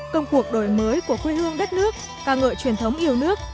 công cuộc đổi mới của quê hương đất nước ca ngợi truyền thống yêu nước